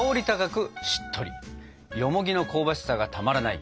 よもぎの香ばしさがたまらない